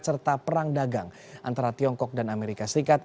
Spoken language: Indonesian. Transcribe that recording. serta perang dagang antara tiongkok dan amerika serikat